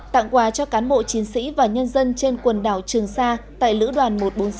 tặng quà cho cán bộ chiến sĩ và nhân dân trên quần đảo trường sa tại lữ đoàn một trăm bốn mươi sáu